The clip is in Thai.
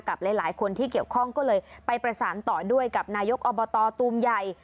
หลายคนที่เกี่ยวข้องก็เลยไปประสานต่อด้วยกับนายกอบตตูมใหญ่